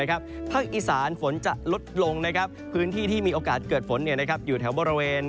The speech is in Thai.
ภาคอีสานฝนจะลดลงพื้นที่ที่มีโอกาสเกิดฝนอยู่แถวบริเวณ